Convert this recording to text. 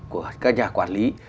của các nhà quản lý